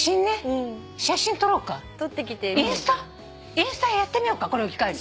インスタやってみようかこれを機会に。